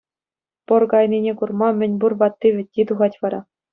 Пӑр кайнине курма мӗнпур ватти-вӗтти тухать вара.